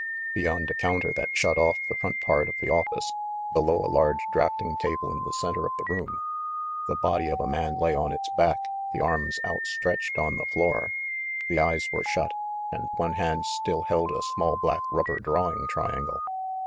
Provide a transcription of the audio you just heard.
Beyond a counter that shut off the front part of the office, below a large drafting table in the center of the room, the body of a man lay on its back, the arms outstretched on the floor. The eyes were shut, and one hand still held a small black rubber drawing tri angle.